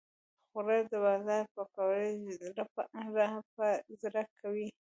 خوړل د بازار پکوړې راپه زړه کوي